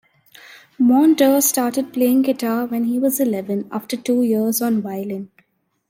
Monder started playing guitar when he was eleven, after two years on violin.